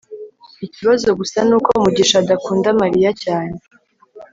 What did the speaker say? ikibazo gusa nuko mugisha adakunda mariya cyane